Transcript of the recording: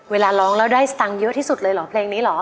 เวลาร้องแล้วได้สตังค์เยอะที่สุดเลยเหรอเพลงนี้เหรอ